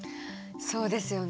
そうですよね。